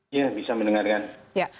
iya bisa mendengar kan